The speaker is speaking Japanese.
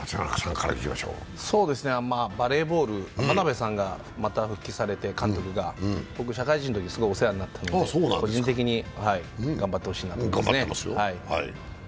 バレーボール、眞鍋監督がまた復帰されて僕、社会人のときにお世話になったので、個人的に頑張ってほしいなと思いますね。